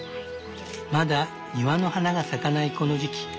まだ庭の花が咲かないこの時期。